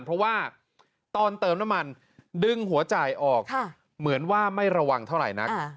เพราะว่าตอนเติมน้ำมันดึงหัวจ่ายออกเหมือนว่าไม่ระวังเท่าไหร่นัก